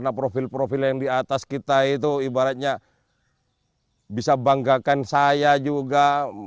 nah profil profil yang di atas kita itu ibaratnya bisa banggakan saya juga